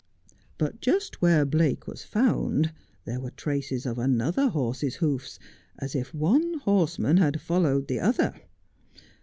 But just where Blake was found there were traces of another horse's hoofs as if one horseman had followed the other.